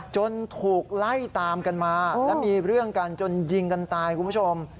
จนถูกไล่ตามกันมาและมีเรื่องกันจนยิงกันตายคุณผู้ชม